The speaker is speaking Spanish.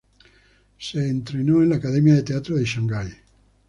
Se entrenó en la Academia de Teatro de Shanghai.